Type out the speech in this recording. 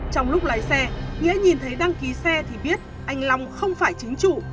trong lúc lái xe nghĩa nhìn thấy đăng ký xe thì biết anh long không phải chính chủ